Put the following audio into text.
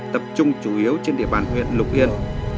tập trung chủ yếu trên địa bàn huyện lục yên